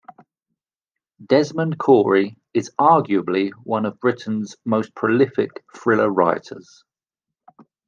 Desmond Cory is arguably one of Britain's most prolific thriller writers.